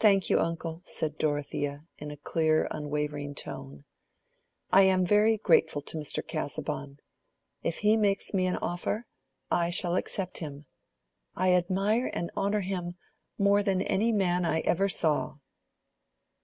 "Thank you, uncle," said Dorothea, in a clear unwavering tone. "I am very grateful to Mr. Casaubon. If he makes me an offer, I shall accept him. I admire and honor him more than any man I ever saw."